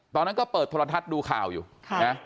ตอนนั้นก็เปิดโทรทัศน์ดูข่าวอยู่นะ